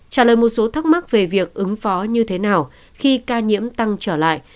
trả lời một số thắc mắc về việc ứng phó như thế nào khi ca nhiễm tăng trở lại